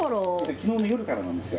きのうの夜からなんですよ。